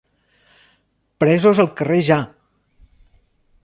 Presos al carrer ja!